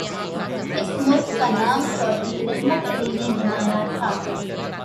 اس ملک کا نام چوہدری رحمت علی نے بنایا تھا۔